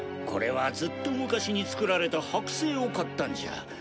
これはずっと昔に作られた剥製を買ったんじゃ。